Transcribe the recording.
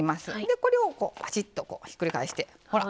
これをこうバシッとひっくり返してほら